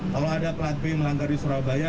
kalau ada pelatih melanggar di surabaya